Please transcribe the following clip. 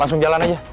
langsung jalan aja